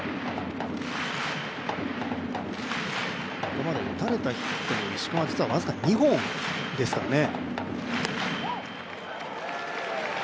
ここまで打たれたヒット、石川実はわずか２本ですからね。